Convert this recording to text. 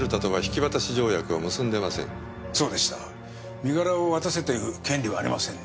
身柄を渡せという権利はありませんね。